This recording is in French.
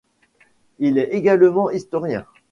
Il est également historien.